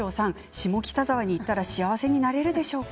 下北沢に行ったら幸せになるんでしょうか。